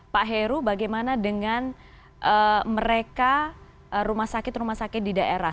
pak heru bagaimana dengan mereka rumah sakit rumah sakit di daerah